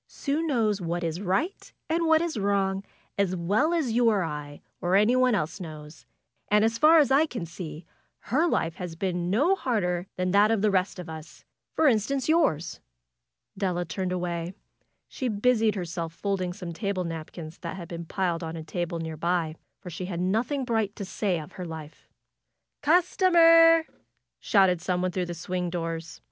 '^Sue knows what is right and what is wrong, as well as you or I, or anyone else knows. And as far as I can see her life has been no harder than that of the rest of us ; for instance yours.^^ Della turned away. She busied herself folding some table napkins that had been piled on a table nearby, for she had nothing bright to say of her life. '^Customer shouted some one through the swing doors.